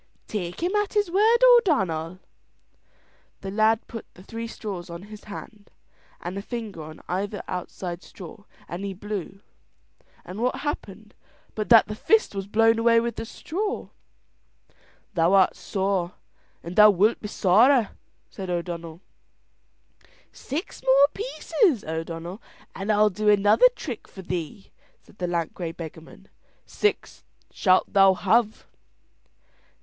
"Take him at his word, O'Donnell." The lad put the three straws on his hand, and a finger on either outside straw and he blew; and what happened but that the fist was blown away with the straw. "Thou art sore, and thou wilt be sorer," said O'Donnell. "Six more pieces, O'Donnell, and I'll do another trick for thee," said the lank grey beggarman. "Six shalt thou have."